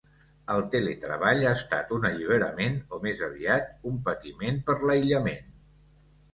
El teletreball ha estat un alliberament o més aviat un patiment per l’aïllament?